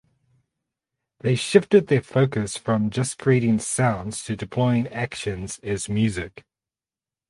They shifted their focus from just creating sounds to deploying actions as music.